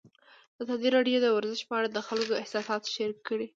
ازادي راډیو د ورزش په اړه د خلکو احساسات شریک کړي.